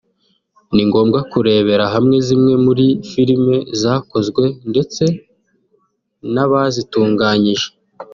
ni ngombwa kurebera hamwe zimwe muri filime zakozwe ndetse n’abazitunganyije